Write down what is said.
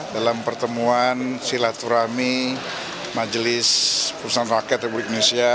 dalam pertemuan silaturahmi majelis perusahaan rakyat republik indonesia